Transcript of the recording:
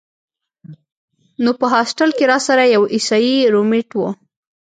نو پۀ هاسټل کښې راسره يو عيسائي رومېټ وۀ